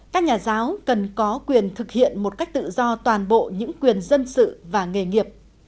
các nhà giáo cần có quyền thực hiện một cách tự do toàn bộ những quyền dân sự và nghề nghiệp